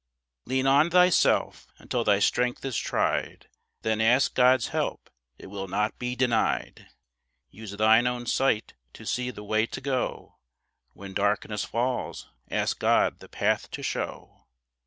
LEAN on thyself until thy strength is tried; Then ask God's help; it will not be denied. Use thine own sight to see the way to go; When darkness falls ask God the path to show.